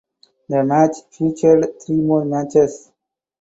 The match featured three more matches.